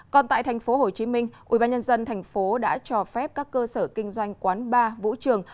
còn tại tp hcm ubnd tp đã cho phép các cơ sở kinh doanh quán bar vũ trường